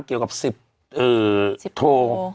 เกี่ยวกับ๑๐โท